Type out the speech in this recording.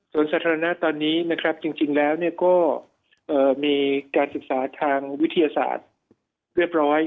ส่วนสาธารณะตอนนี้นะครับจริงแล้วก็มีการศึกษาทางวิทยาศาสตร์เรียบร้อย